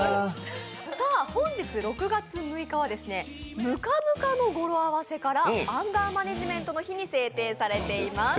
本日６月６日はムカムカの語呂合わせからアンガーマネジメントの日に制定されています。